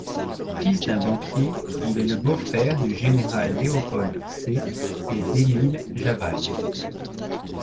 Fils d'un banquier, il est le beau-frère du général Léopold Sée et d'Émile Javal.